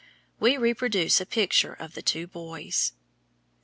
We reproduce a picture of the two boys.